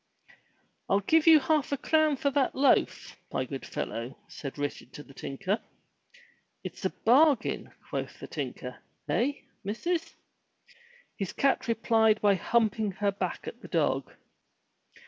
"Fll give you a half crown for that loaf, my good fellow,'* said Richard to the tinker. /'It's a bargain," quoth the tinker, eh, missus?" His cat replied by humping her back at the dog.